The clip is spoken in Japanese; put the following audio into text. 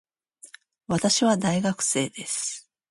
私は大学生です